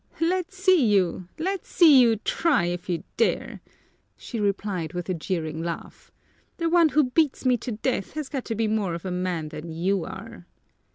"Let's see you! Let's see you try it if you dare!" she replied with a jeering laugh. "The one who beats me to death has got to be more of a man than you are!"